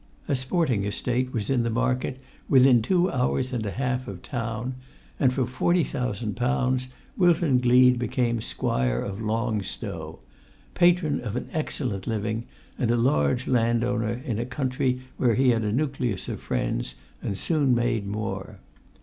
A sporting estate was in the market within two hours and a half of town; and for forty thousand pounds Wilton Gleed became squire of Long Stow, patron of an excellent living, and a large landowner in a country where he had a nucleus of friends and soon made more.